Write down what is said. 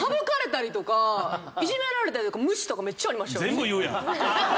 全部言うやん！